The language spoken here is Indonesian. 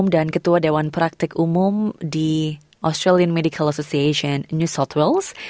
dan ketua dewan praktik umum di australian medical association new south wales